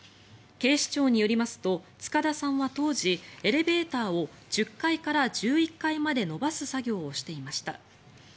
警視庁によりますと塚田さんは当時エレベーターを１０階から１１階まで延ばす作業をしていました。